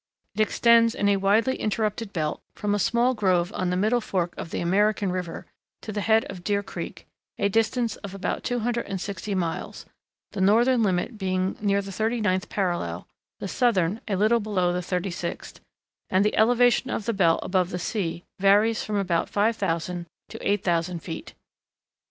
It extends in a widely interrupted belt from a small grove on the middle fork of the American River to the head of Deer Creek, a distance of about 260 miles, the northern limit being near the thirty ninth parallel, the southern a little below the thirty sixth, and the elevation of the belt above the sea varies from about 5000 to 8000 feet.